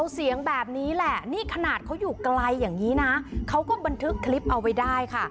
เสียงแบบนี้แหละนี่ขนาดเขาอยู่ไกลอย่างนี้นะเขาก็บันทึกคลิปเอาไว้ได้ค่ะ